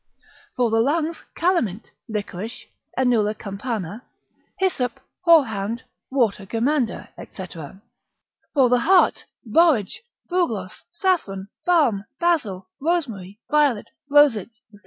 For the lungs calamint, liquorice, ennula campana, hyssop, horehound, water germander, &c. For the heart, borage, bugloss, saffron, balm, basil, rosemary, violet, roses, &c.